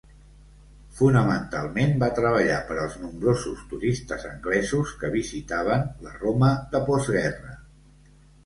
Fonamentalment va treballar per als nombrosos turistes anglesos que visitaven la Roma de postguerra.